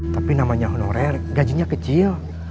tapi namanya honorer gajinya kecil